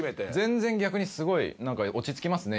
全然逆にすごいなんか落ち着きますね